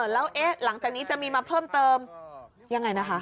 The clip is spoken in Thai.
แล้วหลังจากนี้จะมีมาเพิ่มเติมยังไงนะคะ